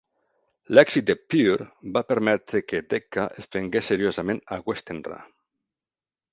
L'èxit de "Pure" va permetre que Decca es prengués seriosament a Westenra.